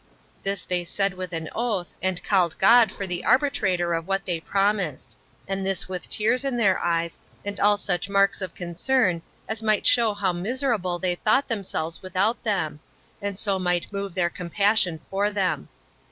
This they said with an oath, and called God for the arbitrator of what they promised; and this with tears in their eyes, and all such marks of concern, as might shew how miserable they thought themselves without them, and so might move their compassion for them.